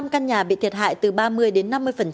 năm căn nhà bị thiệt hại từ ba mươi đến năm mươi